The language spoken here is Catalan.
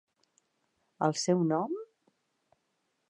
El seu nom?